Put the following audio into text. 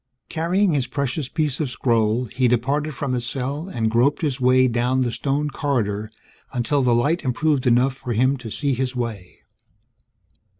Carrying his precious piece of scroll, he departed from his cell and groped his way down the stone corridor until the light improved enough for him to see his way.